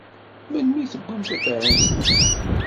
Melmi i tewwimt takeṛṛust-is?